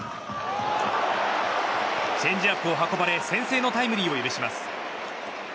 チェンジアップを運ばれ先制のタイムリーを許します。